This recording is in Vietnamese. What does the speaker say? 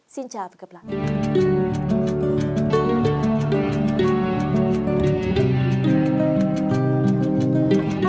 xin chào và hẹn gặp lại